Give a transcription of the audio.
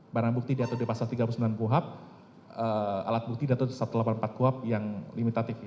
barang bukti di atur depas tiga puluh sembilan kuhab alat bukti di atur satu ratus delapan puluh empat kuhab yang limitatif